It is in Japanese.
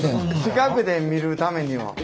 近くで見るためには。